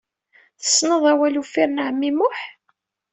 Tessneḍ awal uffir n ɛemmi Muḥ?